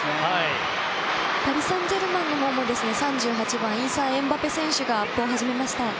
パリ・サンジェルマンの３８番イーサン・エムバペ選手がアップを始めました。